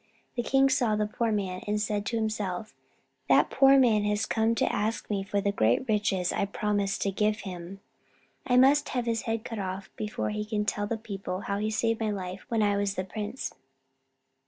The king saw the poor man, and said to himself: "That poor man has come to ask me for the great riches I promised to give him. I must have his head cut off before he can tell the people how he saved my life when I was the prince."